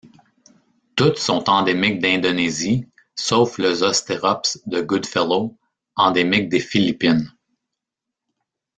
Toutes sont endémiques d'Indonésie, sauf le Zostérops de Goodfellow, endémique des Philippines.